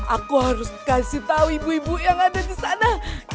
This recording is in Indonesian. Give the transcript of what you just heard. aku harus kasih tau ibu ibu yang ada disana